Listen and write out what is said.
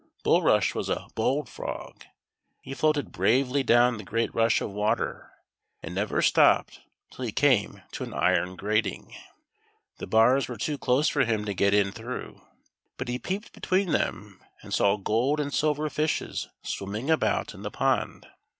Bulrush was a bold frog ; he floated bravely down the great rush of water, and never stopped till he came to an iron grating. The THE SILVER I IS II. 27 bars were too close for him to get in through, but he peeped between them, and saw gold and silver fishes swimming about in the pond.